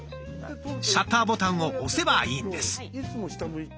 シャッターボタンを押せばいいんです。